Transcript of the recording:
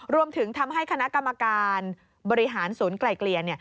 รวมถึงทำให้คณะกรรมการบริหารศูนย์ไกลเกลี่ย